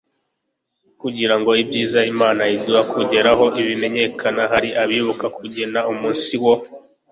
kugira ngo ibyiza imana iduha kugeraho bimenyekane, hari abibuka kugena umunsi wo